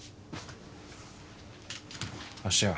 芦屋。